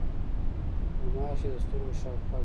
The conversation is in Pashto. غوماشې د سترګو شاوخوا ګرځي.